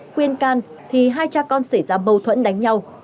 quyên can thì hai cha con xảy ra bầu thuẫn đánh nhau